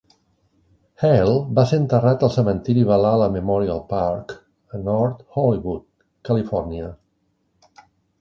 Hale va ser enterrat al cementiri Valhalla Memorial Park a North Hollywood, Califòrnia.